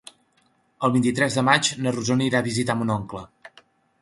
El vint-i-tres de maig na Rosó anirà a visitar mon oncle.